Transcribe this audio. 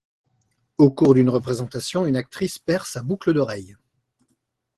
Au cours d'une représentation, une actrice perd sa boucle d'oreille.